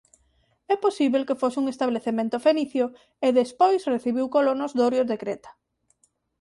É posíbel que fose un establecemento fenicio e despois recibiu colonos dorios de Creta.